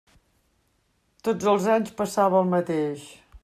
Tots els anys passava el mateix.